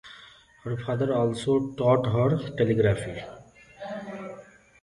Her father also taught her telegraphy.